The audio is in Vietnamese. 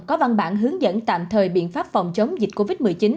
có văn bản hướng dẫn tạm thời biện pháp phòng chống dịch covid một mươi chín